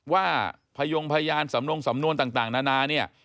ว่าพยงพยานสำนวนต่างนานา